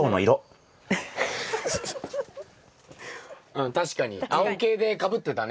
うん確かに青系でかぶってたね。